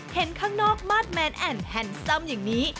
เห็นข้างนอกมาสแมนแอนด์แฮนซัมอย่างนี้